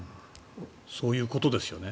そういうことですよね。